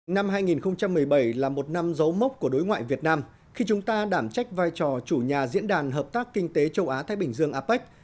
năm hai nghìn một mươi bảy là một năm dấu mốc của đối ngoại việt nam khi chúng ta đảm trách vai trò chủ nhà diễn đàn hợp tác kinh tế châu á thái bình dương apec